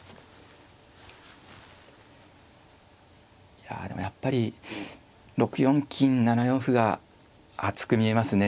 いやでもやっぱり６四金７四歩が厚く見えますね。